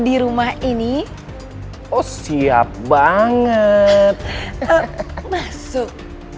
di rumah ini oh siap banget masuk